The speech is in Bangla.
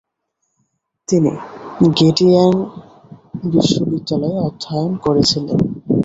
তিনি গ্যটিঙেন বিশ্ববিদ্যালয়ে অধ্যায়ন করেছিলেন।